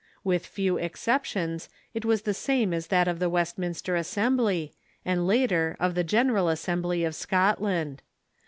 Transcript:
With few excep tions, it was the same as that of the Westminster Assembly, and later of the General Assembly of Scotland.